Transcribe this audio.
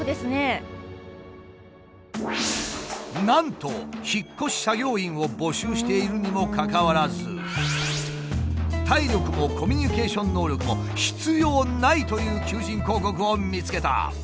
なんと引っ越し作業員を募集しているにもかかわらず体力もコミュニケーション能力も必要ないという求人広告を見つけた。